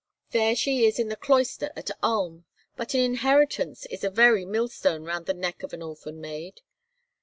There she is in the cloister at Ulm, but an inheritance is a very mill stone round the neck of an orphan maid.